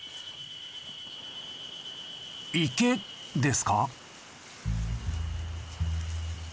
池ですか？